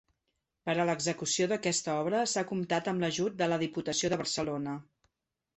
Per a l'execució d'aquesta obra s'ha comptat amb l'ajut de la Diputació de Barcelona.